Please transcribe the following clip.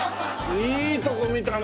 いいとこ見たね！